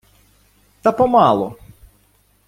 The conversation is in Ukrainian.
- Та помалу.